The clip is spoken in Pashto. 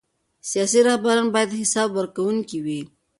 سیاسي رهبران باید حساب ورکوونکي وي